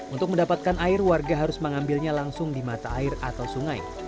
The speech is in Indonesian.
untuk mendapatkan air warga harus mengambilnya langsung di mata air atau sungai